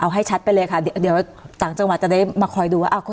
เอาให้ชัดไปเลยค่ะเดี๋ยวต่างจังหวัดจะได้มาคอยดูว่า